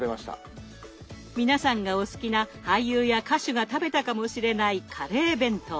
皆さんがお好きな俳優や歌手が食べたかもしれないカレー弁当。